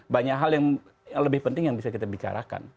banyak hal yang lebih penting yang bisa kita bicarakan